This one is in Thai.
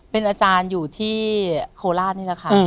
เป็นอาจารย์อยู่ที่โคราชนี่แหละค่ะ